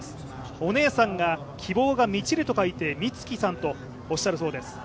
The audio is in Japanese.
お姉さんが、希望が満ちるときいて満希さんとおっしゃるそうです。